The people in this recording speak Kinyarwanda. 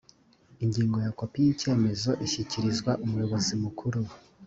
ingingo ya kopi y’ icyemezo ishyikirizwa umuyobozi mukuru.